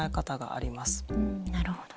なるほど。